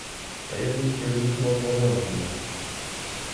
Та я ж її через вікно з вагона вийняв!